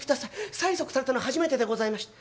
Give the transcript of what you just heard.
催促されたの初めてでございまして。